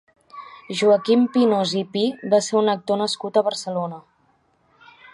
Joaquim Pinós i Pi va ser un actor nascut a Barcelona.